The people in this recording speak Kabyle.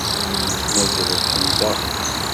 Nekk mazal ad t-ḥemdeɣ.